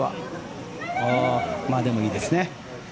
でもいいですね。